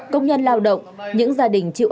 công nhân lao động những gia đình chịu